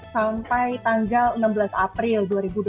sampai tanggal enam belas april dua ribu dua puluh